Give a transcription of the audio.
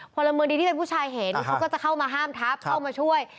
พลเมืองดีที่เป็นผู้ชายเห็นเขาก็จะเข้ามาห้ามทับเข้ามาช่วย